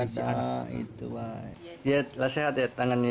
sehat ya tangannya